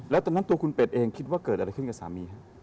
แล้วตอนนั้นตัวคุณเป็ดเองคิดว่าเกิดอะไรขึ้นกับสามีฮะ